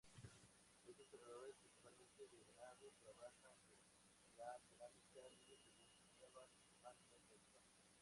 Estos cazadores, principalmente de venados, trabajaban la cerámica y utilizaban mantas de algodón.